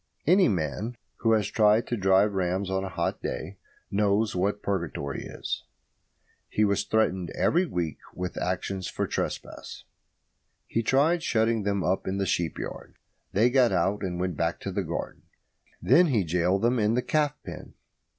Any man who has tried to drive rams on a hot day knows what purgatory is. He was threatened every week with actions for trespass. He tried shutting them up in the sheep yard. They got out and went back to the garden. Then he gaoled them in the calf pen.